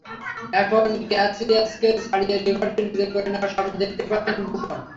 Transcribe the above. এখন ক্যাসিয়াসকে ছাড়িয়ে রেকর্ডটি নিজের করে নেওয়ার স্বপ্ন দেখতেই পারেন বুফন।